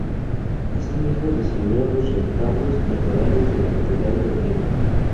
Asimismo diseñó los retablos laterales de la catedral de Oviedo.